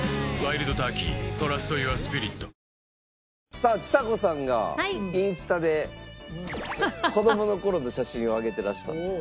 さあちさ子さんがインスタで子供の頃の写真を上げていらしたという。